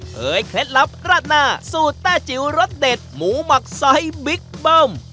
เคล็ดลับราดหน้าสูตรแต้จิ๋วรสเด็ดหมูหมักไซส์บิ๊กเบิ้ม